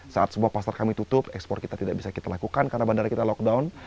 saat semua pasar kami tutup ekspor kita tidak bisa kita lakukan karena bandara kita lockdown